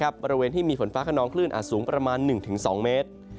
บริเวณที่มีฝนฟ้าขนองคลื่นอาจสูงประมาณ๑๒เมตร